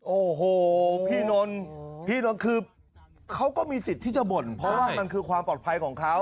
โอ้โหพี่นนท์พี่นนท์คือเขาก็มีสิทธิ์ที่จะบ่นเพราะว่ามันคือความปลอดภัยของเขา